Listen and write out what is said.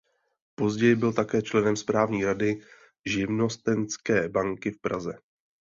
Později byl také členem správní rady Živnostenské banky v Praze.